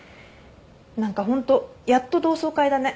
何かホントやっと同窓会だね。